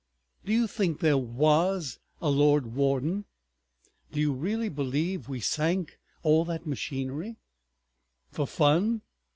Do you think there was a Lord Warden? Do you really believe we sank all that machinery—for fun?